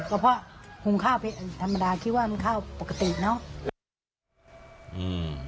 ก็เพราะหุงข้าวธรรมดาคิดว่ามันข้าวปกติเนอะ